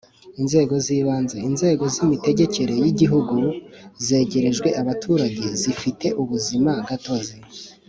Inzego z’ibanze: inzego z’imitegekere y’Igihugu zegerejwe abaturage zifite ubuzima gatozi;